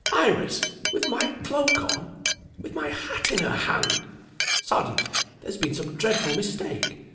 "Iris! With my cloak on!! With my hat in her hand!!! Sergeant, there has been some dreadful mistake.